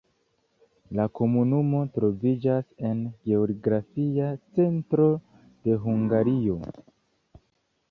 La komunumo troviĝas en geografia centro de Hungario.